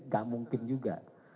gak mungkin juga